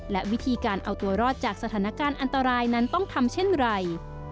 และวิธีการเอาตัวรอดจากสถานการณ์อันตรายนั้นต้องทำเช่นไร